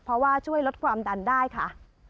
เพราะว่าช่วยลดความดันได้ค่ะ